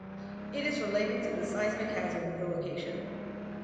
It is related to the seismic hazard of the location.